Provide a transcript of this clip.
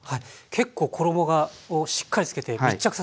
結構衣をしっかりつけて密着させる感じなんですね。